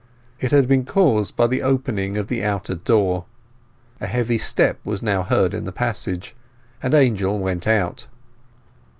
It had been caused by the opening of the outer door. A heavy step was now heard in the passage, and Angel went out.